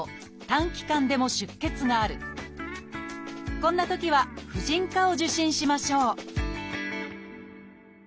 こんなときは婦人科を受診しましょう